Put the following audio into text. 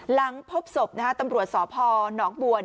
หลังพบศพตำรวจสพหนองบัว